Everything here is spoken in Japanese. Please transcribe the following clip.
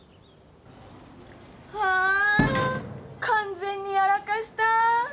はぁ完全にやらかした。